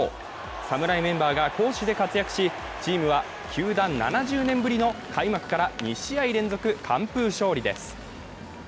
侍メンバーが攻守で活躍し、チームは球団７０年ぶりの開幕から２試合連続完封勝利です。